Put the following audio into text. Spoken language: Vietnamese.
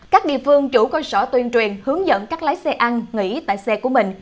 các địa phương chủ cơ sở tuyên truyền hướng dẫn các lái xe ăn nghỉ tại xe của mình